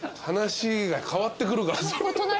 話が変わってくるから。